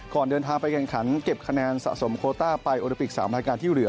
ก่อนเดินทางไปแข่งขันเก็บคะแนนสะสมโคต้าไปโอลิปิก๓รายการที่เหลือ